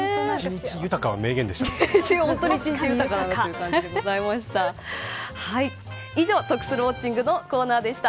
一日豊かは名言でした。